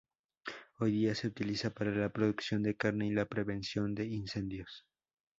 Hoy día se utiliza para la producción de carne y la prevención de incendios.